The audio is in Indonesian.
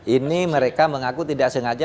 ini mereka mengaku tidak sengaja